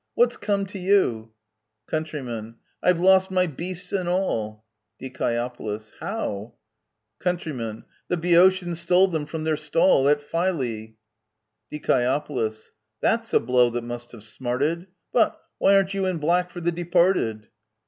What's come to you ? Count I've lost my beasts and all ! Die. How? Count. The Boeotians stole them from their stall At Phylae. Die. That's a blow that must have smarted ! But — why aren't you in black for the departed